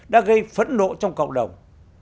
đã gây phẫn nộ trong cộng đồng